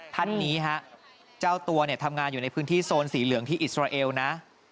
ท่านนี้ฮะเจ้าตัวเนี่ยทำงานอยู่ในพื้นที่โซนสีเหลืองที่อิสราเอลนะ